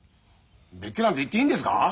別居なんて言っていいんですか？